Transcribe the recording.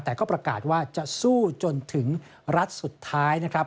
แต่ก็ประกาศว่าจะสู้จนถึงรัฐสุดท้ายนะครับ